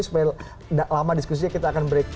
supaya tidak lama diskusinya kita akan break